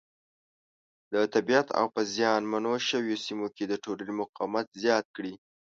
د طبیعیت او په زیان منو شویو سیمو کې د ټولنو مقاومت زیات کړي.